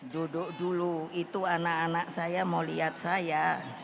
duduk dulu itu anak anak saya mau lihat saya